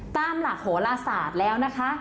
ตามหลักโหลศาสตร์แล้วนะคะ